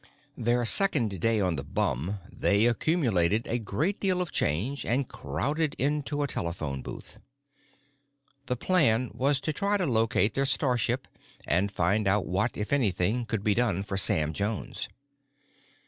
13 THEIR second day on the bum they accumulated a great deal of change and crowded into a telephone booth. The plan was to try to locate their starship and find out what, if anything, could be done for Sam Jones.